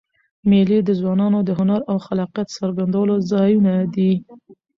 مېلې د ځوانانو د هنر او خلاقیت څرګندولو ځایونه دي.